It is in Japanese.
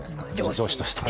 上司としては。